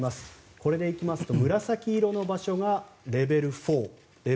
これでいきますと紫色の場所がレベル４です。